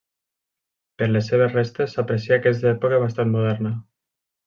Per les seves restes s'aprecia que és d'època bastant moderna.